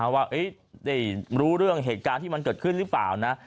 ว่าได้รู้เรื่องเหตุการณ์ที่มันเกิดขึ้นหรือเปล่านะ